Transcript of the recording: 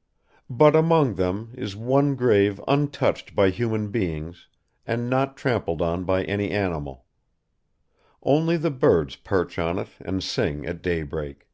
. But among them is one grave untouched by human beings and not trampled on by any animal; only the birds perch on it and sing at daybreak.